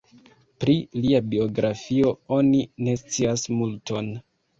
Pri lia biografio oni ne scias multon.